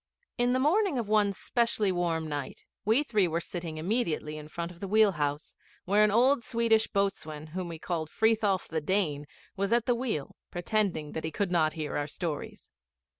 In the morning of one specially warm night we three were sitting immediately in front of the wheel house, where an old Swedish boatswain whom we called 'Frithiof the Dane' was at the wheel, pretending that he could not hear our stories.